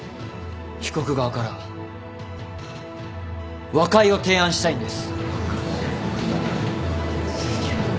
被告側から和解を提案したいんです。